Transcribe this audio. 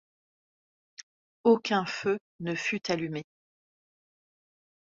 Aucun feu ne fut allumé.